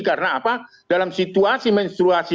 karena apa dalam situasi menstruasi